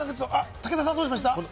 武田さん、どうしました？